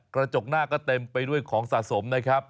กระจกหน้าก็เต็มไปด้วยของสะสมนะครับ